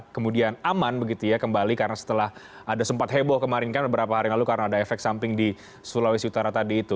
kemudian aman begitu ya kembali karena setelah ada sempat heboh kemarin kan beberapa hari lalu karena ada efek samping di sulawesi utara tadi itu